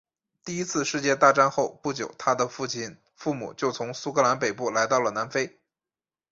第一次世界大战后不久他的父母就从苏格兰北部来到了南非。